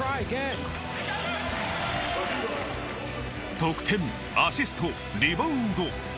得点、アシスト、リバウンド。